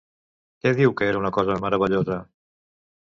Què diu que era una cosa meravellosa?